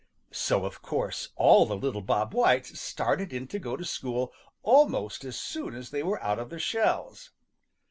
So of course all the Little Bob Whites started in to go to school almost as soon as they were out of their shells.